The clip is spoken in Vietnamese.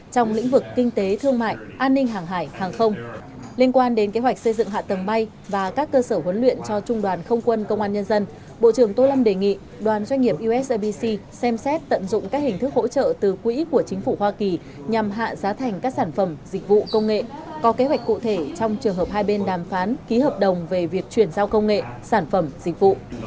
tại buổi làm việc xây dựng hạ tầng bay và các cơ sở huấn luyện cho trung đoàn không quân công an nhân dân bộ trưởng tô lâm đề nghị đoàn doanh nghiệp usabc xem xét tận dụng các hình thức hỗ trợ từ quỹ của chính phủ hoa kỳ nhằm hạ giá thành các sản phẩm dịch vụ công nghệ có kế hoạch cụ thể trong trường hợp hai bên đàm phán ký hợp đồng về việc chuyển giao công nghệ sản phẩm dịch vụ